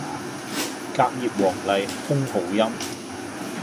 隔葉黃鸝空好音